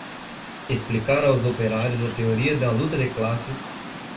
explicar aos operários a teoria da luta de classes